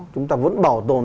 chúng ta vẫn bảo tồn